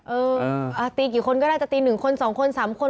เออตีกี่คนก็ได้จะตี๑คน๒คน๓คน